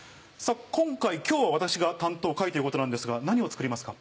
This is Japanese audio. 今回今日は私が担当回ということなんですが何を作りますか？